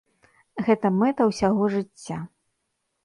Гэта мэта ўсяго жыцця.